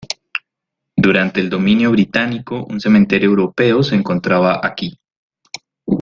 Durante el dominio británico, un cementerio Europeo se encontraba aquí.